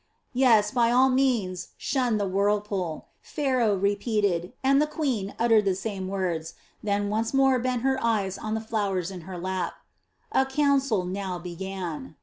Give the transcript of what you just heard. "Yes, by all means shun the whirlpool," Pharaoh repeated, and the queen uttered the same words, then once more bent her eyes on the flowers in her lap. A council now began.